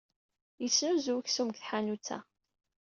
Yettnuzu weksum deg tḥanut-a.